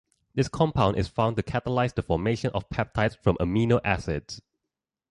This compound is found to catalyze the formation of peptides from amino acids.